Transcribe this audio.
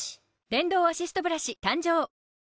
電動アシストブラシ誕生！